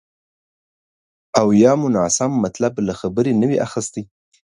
او یا مو ناسم مطلب له خبرې نه وي اخیستی